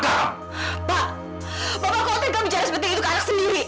pak bapak kok tak bisa sebetulnya berbicara seperti itu ke anak sendiri